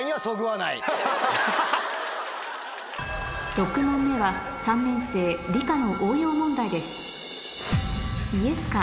６問目は３年生理科の応用問題です